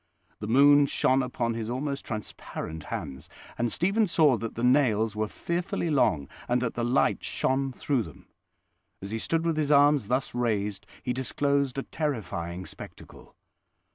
The moon shone upon his almost transparent hands, and Stephen saw that the nails were fearfully long and that the light shone through them. As he stood with his arms thus raised, he disclosed a terrifying spectacle.